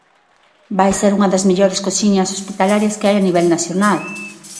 Vai ser unha das mellores cociñas hospitalarias que hai a nivel nacional.